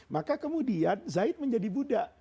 maka kemudian zaid menjadi buddha